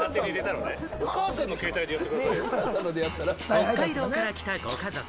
北海道から来たご家族。